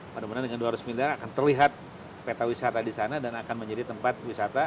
mudah mudahan dengan dua ratus miliar akan terlihat peta wisata di sana dan akan menjadi tempat wisata